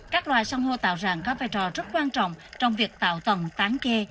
các loài sang hô tạo rạng có vai trò rất quan trọng trong việc tạo tầng tán khe